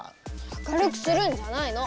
明るくするんじゃないの。